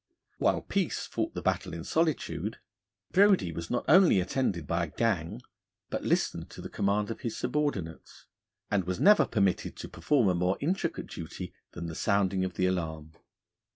While Peace fought the battle in solitude, Brodie was not only attended by a gang, but listened to the command of his subordinates, and was never permitted to perform a more intricate duty than the sounding of the alarm.